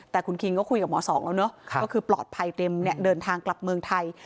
แต่คุณคิงก็คุยกับหมอสองแล้วเนอะก็คือปลอดภัยเต็มเนี่ยเดินทางกลับเมืองไทย